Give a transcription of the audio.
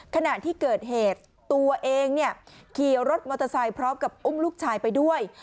ขณะที่เกิดเหตุตัวเองขี่รถมอเตอร์ไซค์พร้อมกับอุ้มลูกชายไปด้วย